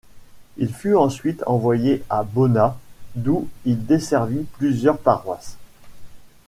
Il fut ensuite envoyé à Bona, d’où il desservit plusieurs paroisses.